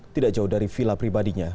tidak jauh dari villa pribadinya